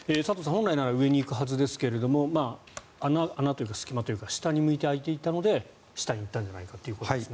本来なら上に行くはずですが穴というか隙間というか下に向いて開いていたので下に行ったんじゃないかと。